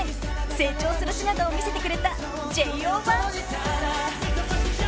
［成長する姿を見せてくれた］